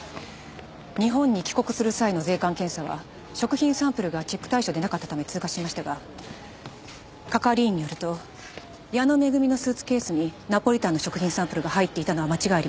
日本に帰国する際の税関検査は食品サンプルがチェック対象でなかったため通過しましたが係員によると矢野恵のスーツケースにナポリタンの食品サンプルが入っていたのは間違いありません。